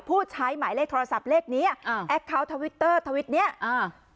ผู้ใช้หมายเลขโทรศัพท์เลขเนี้ยอ่าแอคเคาน์ทวิตเตอร์ทวิตเนี้ยอ่า